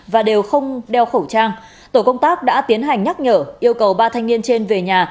và đều không đeo khẩu trang tổ công tác đã tiến hành nhắc nhở yêu cầu ba thanh niên trên về nhà